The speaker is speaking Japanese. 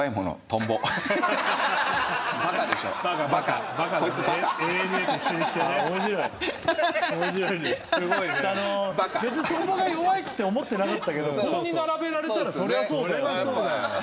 トンボが弱いって思ってなかったけど並べられたらそりゃそうだよって。